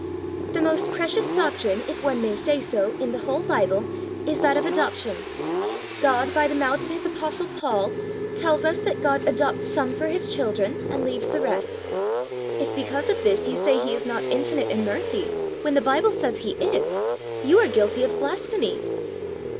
"The most precious doctrine, if one may say so, in the whole Bible, is that of Adoption. God by the mouth of his apostle Paul tells us that God adopts some for his children, and leaves the rest. If because of this you say he is not infinite in mercy, when the Bible says he is, you are guilty of blasphemy."